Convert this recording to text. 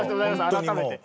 改めて。